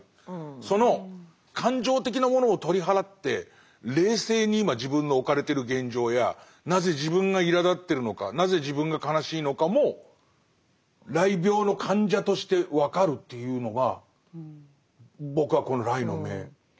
その感情的なものを取り払って冷静に今自分の置かれてる現状やなぜ自分がいらだってるのかなぜ自分が悲しいのかもらい病の患者として分かるというのが僕はこの「癩の眼」かなっていう。